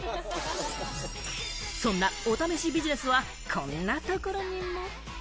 そんなお試しビジネスはこんなところにも。